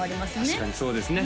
確かにそうですね